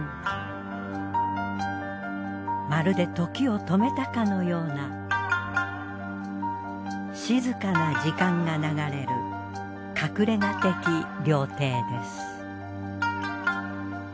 まるで時を止めたかのような静かな時間が流れる隠れ家的料亭です。